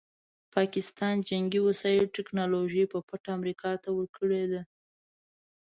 پاکستان جنګي وسایلو ټیکنالوژي په پټه امریکا ته ورکړې ده.